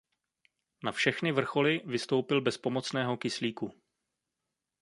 Na všechny vrcholy vystoupil bez pomocného kyslíku.